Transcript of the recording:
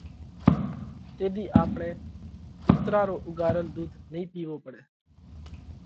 تيۮِي آپڻئہ ڪُوترا رو اُوڳار ۮُوڌ نئين پِيوو پڙئہ۔